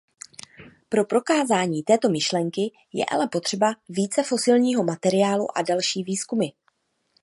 Pro prokázání této myšlenky je ale potřeba více fosilního materiálu a další výzkumy.